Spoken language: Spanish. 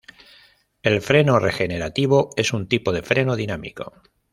El freno regenerativo es un tipo de freno dinámico.